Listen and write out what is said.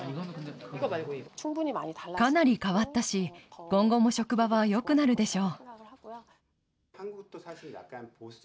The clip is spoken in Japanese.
かなり変わったし、今後も職場はよくなるでしょう。